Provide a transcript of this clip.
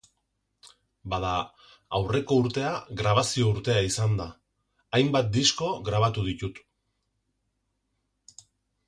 Bada, aurreko urtea grabazio urtea izan da, hainbat disko grabatu ditut.